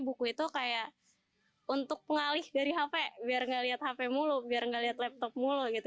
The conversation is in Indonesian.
buku itu kayak untuk pengalih dari hp biar gak liat hp mulu biar nggak lihat laptop mulu gitu